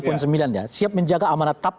poin sembilan ya siap menjaga amanat tap